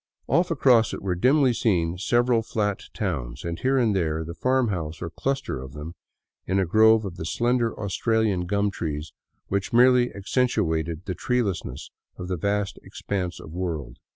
Off across it were dimly seen several flat towns, and here and there a farm house or a cluster of them in a grove of the slender Australian gum trees which merely accen tuated the treelessness of the vast expanse of w^orld.